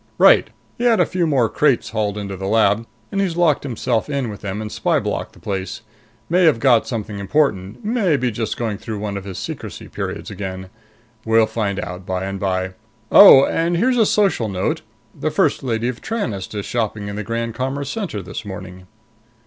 "Right. He had a few more crates hauled into the lab, and he's locked himself in with them and spy blocked the place. May have got something important, and may just be going through one of his secrecy periods again. We'll find out by and by. Oh, and here's a social note. The First Lady of Tranest is shopping in the Grand Commerce Center this morning."